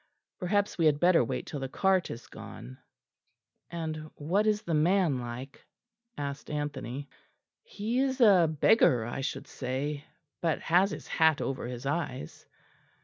Perhaps we had better wait till the cart is gone." "And what is the man like?" asked Anthony. "He is a beggar, I should say; but has his hat over his eyes."